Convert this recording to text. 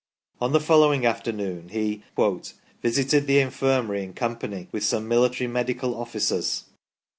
On the following afternoon he " visited the Infirmary in company with some military medical officers.